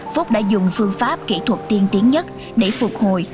phúc đã dùng phương pháp kỹ thuật tiên tiến nhất để phục hồi